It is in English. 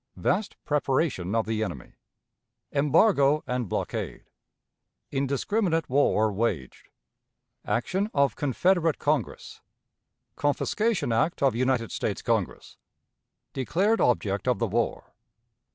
Vast Preparation of the Enemy. Embargo and Blockade. Indiscriminate War waged. Action of Confederate Congress. Confiscation Act of United States Congress. Declared Object of the War.